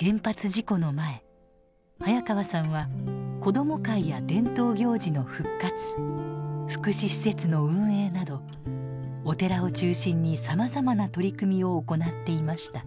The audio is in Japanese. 原発事故の前早川さんは子ども会や伝統行事の復活福祉施設の運営などお寺を中心にさまざまな取り組みを行っていました。